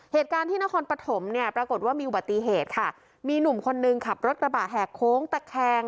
เหตุการณ์ที่นครปฐมเนี่ยปรากฏว่ามีอุบัติเหตุค่ะมีหนุ่มคนนึงขับรถกระบะแหกโค้งตะแคง